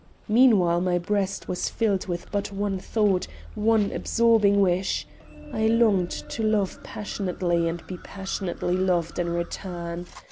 Meanwhile my breast was filled with but one thought, one absorbing wish. I longed to love passionately and be passionately loved in return.